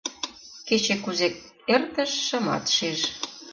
Кече кузе эртыш — шымат шиж.